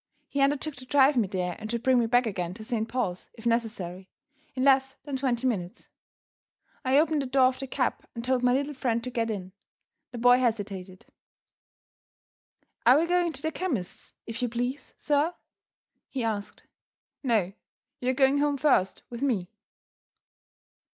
He undertook to drive me there and to bring me back again to Saint Paul's (if necessary), in less than twenty minutes. I opened the door of the cab, and told my little friend to get in. The boy hesitated. "Are we going to the chemist's, if you please, sir?" he asked. "No. You are going home first, with me."